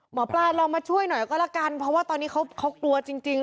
หมอปลาลองมาช่วยหน่อยก็ละกันเพราะว่าตอนนี้เขากลัวจริง